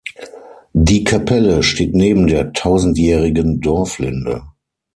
Die Kapelle steht neben der „tausendjährigen“ "Dorflinde".